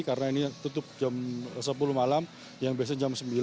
karena ini tutup jam sepuluh malam yang biasanya jam sembilan